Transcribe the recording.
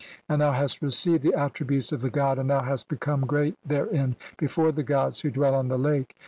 "And thou hast received the attribute[s] of the God, "and thou hast become great therein before the gods "who dwell on the Lake.